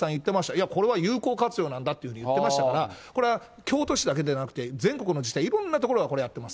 いや、これは有効活用なんだというふうに言ってましたから、これは京都市だけでなくて全国の自治体これやってます。